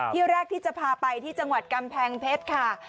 ที่แรกที่จะพาไปที่จังหวัดกำแพงเพชรค่ะ